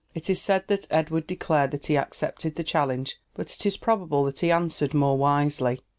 It is said that Edward declared that he accepted the challenge; but it is probable that he answered more wisely.